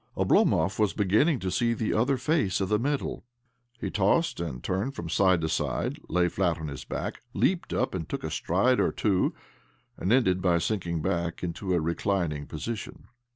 Oblomov was beginning to see the other face of the medal. He tossed and turned from side to side, lay flat on his back, leaped up and took a stride or two, and ended by sinking back into a reclining position.